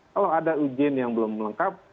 kalau ada ujin yang belum melengkap